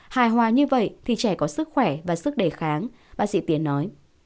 hài hòa như vậy thì trẻ có sức khỏe và sức đề kháng bác sĩ tiến nói